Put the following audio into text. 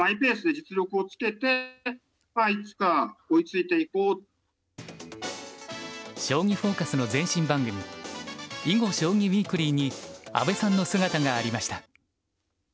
実際にこう「将棋フォーカス」の前身番組「囲碁・将棋ウィークリー」に阿部さんの姿がありました。